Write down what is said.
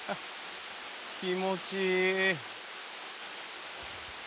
気持ちいい。